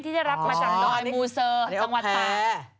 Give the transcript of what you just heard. ที่จะรับมาจากน้อยอ๋อมูเซอร์จังหวัดป่าอ๋อนี่ต้องแพ้